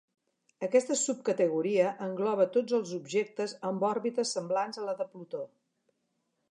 Aquesta subcategoria engloba tots els objectes amb òrbites semblants a la de Plutó.